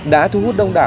đã thu hút đông đảo